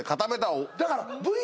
だから。